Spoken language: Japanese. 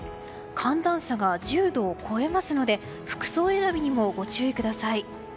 寒暖差が１０度を超えますので服装選びにもご注意ください。